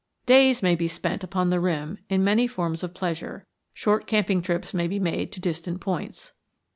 Days may be spent upon the rim in many forms of pleasure; short camping trips may be made to distant points.